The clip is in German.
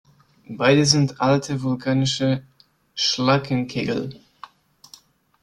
Beide sind alte vulkanische Schlackenkegel.